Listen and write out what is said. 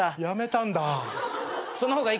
やめたんだ。